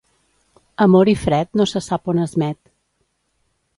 Amor i fred no se sap on es met.